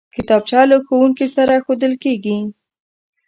کتابچه له ښوونکي سره ښودل کېږي